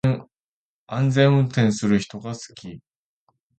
安全運転する人が好き